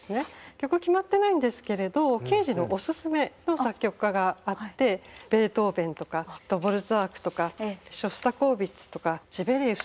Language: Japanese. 曲決まってないんですけれどケージのおすすめの作曲家があってベートーベンとかドボルザークとかショスタコーヴィッチとかシベリウス。